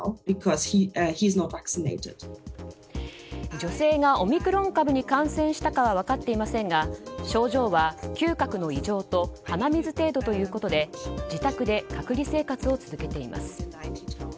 女性がオミクロン株に感染したかは分かっていませんが症状は、嗅覚の異常と鼻水程度ということで、自宅で隔離生活を続けています。